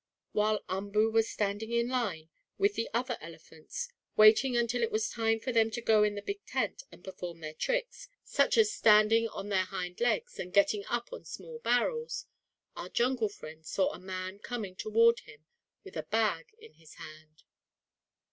While Umboo was standing in line, with the other elephants, waiting until it was time for them to go in the big tent, and perform their tricks, such as standing on their hind legs and getting up on small barrels, our jungle friend saw a man coming toward him with a bag in his hand.